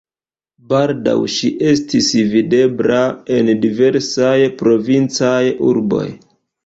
Baldaŭ ŝi estis videbla en diversaj provincaj urboj.